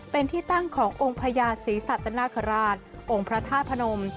เป็นที่ตั้งขององค์พญาศรีสัตนคราชองค์พระธาตุพนม